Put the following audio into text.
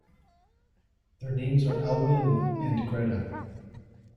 Their names are Alwan and Greta.